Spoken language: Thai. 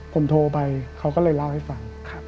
ผมโทรไปเขาก็เลยเล่าให้ฟัง